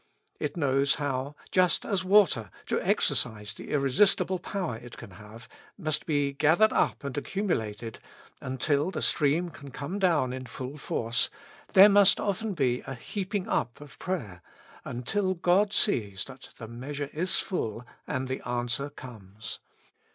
It knows how, just as water, to exercise the irresistible power it can have, must be gathered up and accumulated, until the stream can come down in full force, there must often be a heap ing up of prayer, until God sees that the measure is full, and the answer comes.